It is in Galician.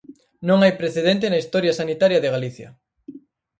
Non hai precedente na historia sanitaria de Galicia.